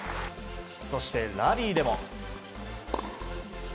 そして、ラリーでも。